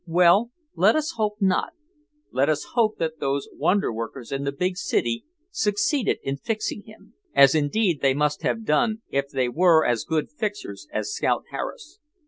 Well, let us hope not. Let us hope that those wonder workers in the big city succeeded in "fixing" him, as indeed they must have done, if they were as good fixers as Scout Harris.